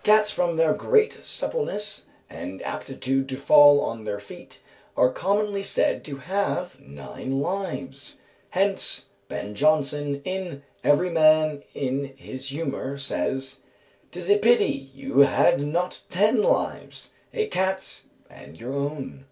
_ "Cats, from their great suppleness and aptitude to fall on their feet, are commonly said to have nine lives; hence Ben Jonson, in 'Every Man in His Humour,' says: ''Tis a pity you had not ten lives a cat's and your own.'"